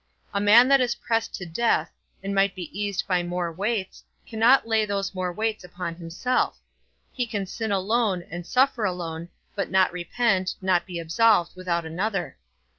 A man that is pressed to death, and might be eased by more weights, cannot lay those more weights upon himself: he can sin alone, and suffer alone, but not repent, not be absolved, without another.